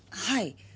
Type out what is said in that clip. はい。